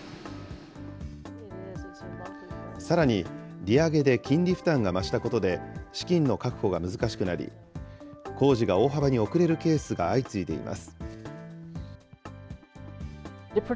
さらに利上げで金利負担が増したことで、資金の確保が難しくなり、工事が大幅に遅れるケースが相次いでいます。